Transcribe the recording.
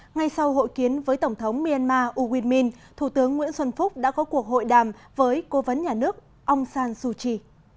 ngay sau hội kiến với tổng thống myanmar u win min thủ tướng nguyễn xuân phúc đã có cuộc hội đàm với cố vấn nhà nước aung san suu kyi